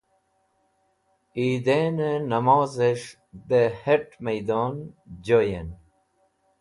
Eidain e Namoz es̃h de Het Maidon Joyen